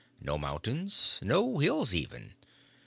No mountains, no hills, even.